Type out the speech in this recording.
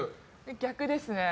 逆ですね。